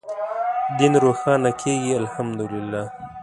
دین روښانه کېږي الحمد لله.